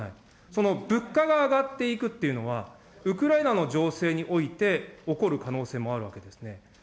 その物価が上がっていくっていうのは、ウクライナの情勢において、起こる可能性もあるわけですね。